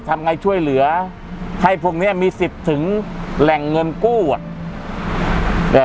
ทำไงช่วยเหลือให้พวกเนี้ยมีสิทธิ์ถึงแหล่งเงินกู้อ่ะเอ่อ